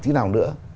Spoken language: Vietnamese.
tí nào nữa